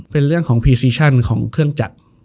เป็นเรื่องของพรีซีชั่นของเครื่องจักร